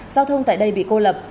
giao thông tại đây bị cô lập